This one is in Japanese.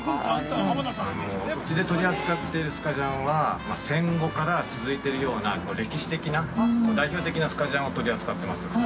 ◆うちで取り扱ってるスカジャンは、戦後から続いてるような歴史的な、代表的なスカジャンを取り扱ってます。